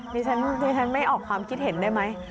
ดิฉันไม่ออกความคิดเห็นได้ไหม